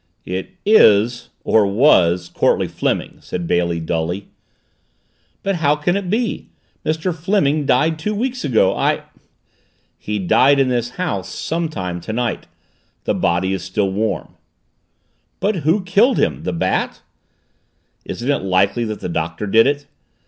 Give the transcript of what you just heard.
"It is or was Courtleigh Fleming," said Bailey dully. "But how can it be? Mr. Fleming died two weeks ago. I " "He died in this house sometime tonight. The body is still warm." "But who killed him? The Bat?" "Isn't it likely that the Doctor did it?